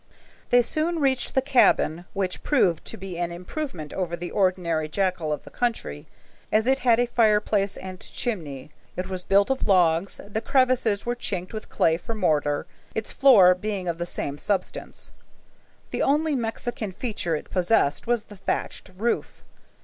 They soon reached the cabin, which proved to be an improvement over the ordinary jacal of the country, as it had a fireplace and chimney. It was built of logs; the crevices were chinked with clay for mortar, its floor being of the same substance. The only Mexican feature it possessed was the thatched roof.